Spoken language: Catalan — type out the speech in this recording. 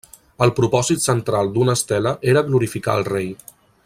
El propòsit central d'una estela era glorificar el rei.